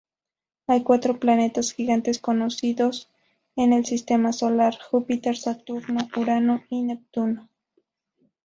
Hay cuatro planetas gigantes conocidos en el Sistema Solar: Júpiter, Saturno, Urano y Neptuno.